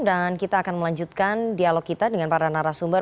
dan kita akan melanjutkan dialog kita dengan para narasumber